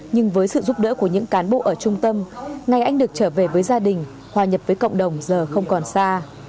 nhưng với sự giúp đỡ của những cán bộ ở trung tâm ngày anh được trở về với gia đình hòa nhập với cộng đồng giờ không còn xa